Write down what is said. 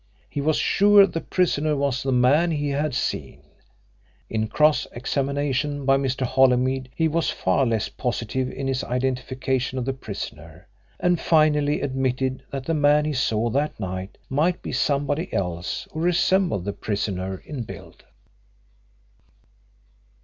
He was sure the prisoner was the man he had seen. In cross examination by Mr. Holymead he was far less positive in his identification of the prisoner, and finally admitted that the man he saw that night might be somebody else who resembled the prisoner in build.